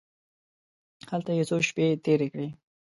هلته یې څو شپې تېرې کړې.